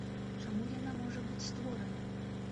Чаму яна можа быць створана?